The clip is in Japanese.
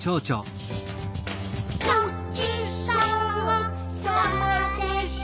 「ごちそうさまでした！」